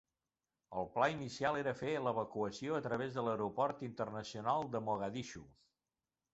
El pla inicial era fer l'evacuació a través de l'aeroport internacional de Mogadishu.